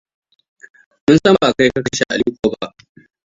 Mun san ba kai ka kashe Aliko ba.